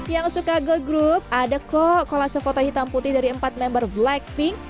yang suka gil group ada kok kolase foto hitam putih dari empat member blackpink